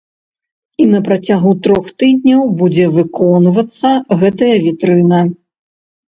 І на працягу трох тыдняў будзе выконвацца гэтая вітрына.